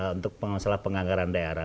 untuk masalah penganggaran daerah